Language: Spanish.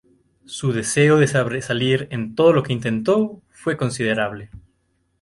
Su deseo de sobresalir en todo lo que intentó fue considerable.